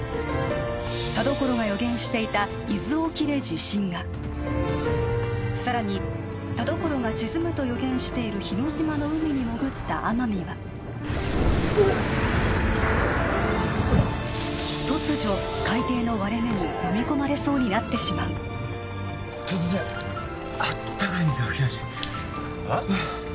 田所が予言していた伊豆沖で地震が更に田所が沈むと予言している日之島の海に潜った天海はうっ突如海底の割れ目にのみ込まれそうになってしまう突然あったかい水が噴き出してはっ？